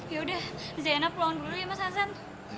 ya udah zainab pulang dulu ya mas hasan